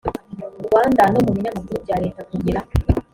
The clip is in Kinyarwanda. rwanda no mu binyamakuru bya leta kugira